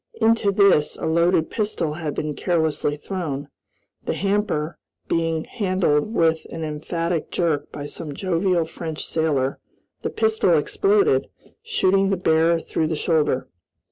Into this, a loaded pistol had been carelessly thrown. The hamper being handled with an emphatic jerk by some jovial French sailor, the pistol exploded, shooting the bearer through the shoulder.